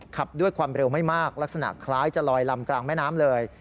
ขับด้วยความเร็วไม่มากลักษณะคล้ายจะลอยลำกลางแม่น้ำเลย